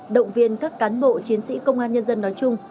động viên các cán bộ chiến sĩ công an nhân dân nói chung